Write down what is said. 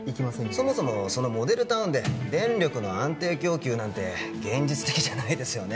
そもそもそのモデルタウンで電力の安定供給なんて現実的じゃないですよね